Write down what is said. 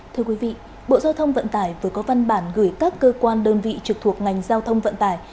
thưa quý vị bộ giao thông vận tải vừa có văn bản gửi các cơ quan đơn vị trực thuộc ngành giao thông vận tải